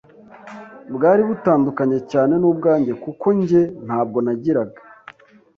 bwari butandukanye cyane n’ubwanjye kuko njye ntabwo nagiraga,